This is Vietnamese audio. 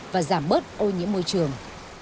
và giảm bớt ô nhiễm môi trường